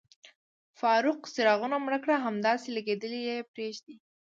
فاروق، څراغونه مړه کړه، همداسې لګېدلي یې پرېږدئ.